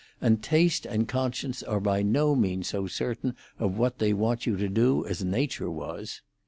And taste and conscience are by no means so certain of what they want you to do as Nature was."